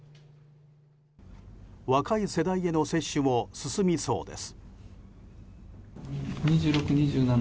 若い世代への接種も進みそうです。